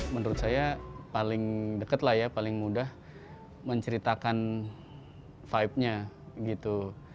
menurut saya paling dekat lah ya paling mudah menceritakan vibe nya gitu